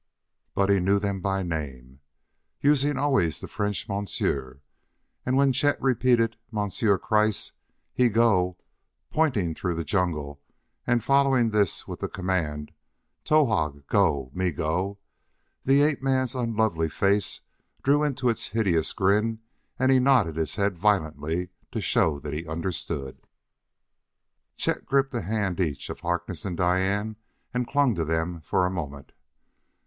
But he knew them by name, using always the French "Monsieur," and when Chet repeated: "Monsieur Kreiss he go," pointing through the jungle, and followed this with the command: "Towahg go! Me go!" the ape man's unlovely face drew into its hideous grin and he nodded his head violently to show that he understood. Chet gripped a hand each if Harkness and Diane and clung to them for a moment.